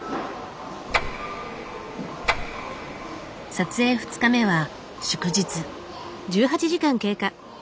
撮影２日目は祝日。